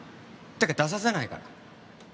てか出させないから